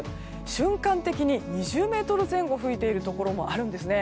瞬間的に２０メートル前後吹いているところもあるんです。